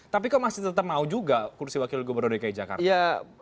tapi kok masih tetap mau juga kursi wakil gubernur dki jakarta